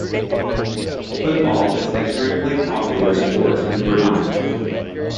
Football is an extremely popular sport in Brunei.